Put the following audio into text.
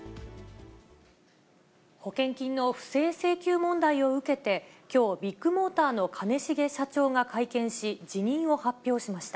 保険金の不正請求問題を受けて、きょう、ビッグモーターの兼重社長が会見し、辞任を発表しました。